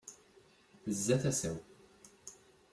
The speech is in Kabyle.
Tezza tasa-w.